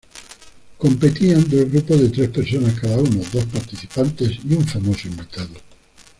Competían dos grupos de tres personas cada uno: dos participantes y un famoso invitado.